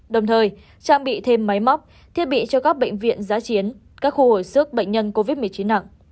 đồng thời trang bị thêm máy móc thiết bị cho các bệnh viện giá chiến các khu hồi sức bệnh nhân covid một mươi chín nặng